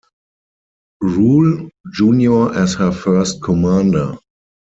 Rule, Junior as her first commander.